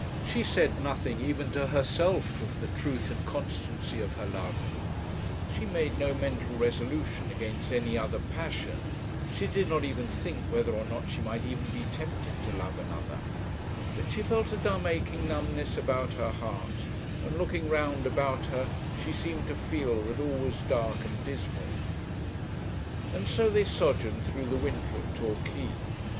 She said nothing, even to herself, of the truth and constancy of her love; she made no mental resolution against any other passion; she did not even think whether or not she might ever be tempted to love another; but she felt a dumb aching numbness about her heart; and, looking round about her, she seemed to feel that all was dark and dismal. And so they sojourned through the winter at Torquay.